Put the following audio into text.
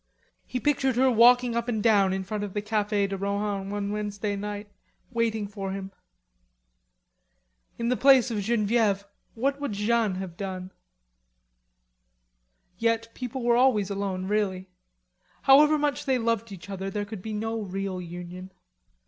He pictured her walking up and down in front of the Cafe de Rohan one Wednesday night, waiting for him. In the place of Genevieve, what would Jeanne have done? Yet people were always alone, really; however much they loved each other, there could be no real union.